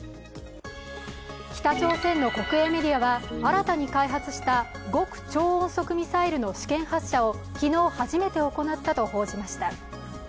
北朝鮮の国営メディアは新たに開発した極超音速ミサイルの試験発射を昨日、初めて行ったと報じました。